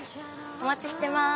お待ちしてます！